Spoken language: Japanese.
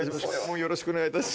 よろしくお願いします。